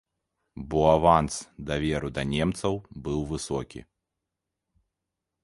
Бо аванс даверу да немцаў быў высокі.